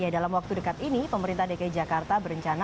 dalam waktu dekat ini pemerintah dki jakarta berencana